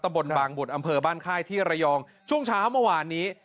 บนบางบุตรอำเภอบ้านค่ายที่ระยองช่วงเช้าเมื่อวานนี้